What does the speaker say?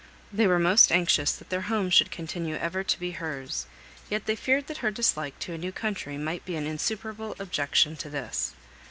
They were most anxious that their home should continue ever to be hers, yet they feared that her dislike to a new country might be an insuperable objection to this.